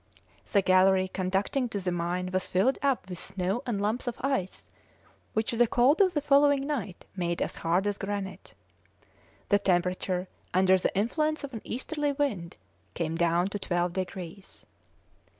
The gallery conducting to the mine was filled up with snow and lumps of ice, which the cold of the following night made as hard as granite. The temperature, under the influence of an easterly wind, came down to twelve degrees.